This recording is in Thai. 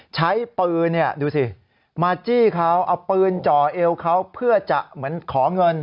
ใช้ปืนดูสิมาจี้เขาเอาปืนจ่อเอวเขาเพื่อจะเหมือนขอเงิน